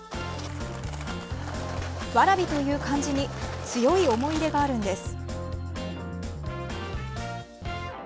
「蕨」という漢字に強い思い入れがあるんです。